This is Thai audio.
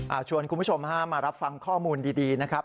ชวนคุณผู้ชมฮะมารับฟังข้อมูลดีดีนะครับ